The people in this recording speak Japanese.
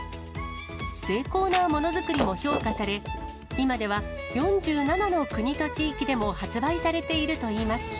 精巧なものづくりも評価され、今では４７の国と地域でも発売さ